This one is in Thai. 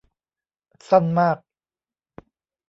สั้นมาก